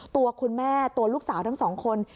ตัวคุณแม่ตัวลูกสาวทั้งสองคน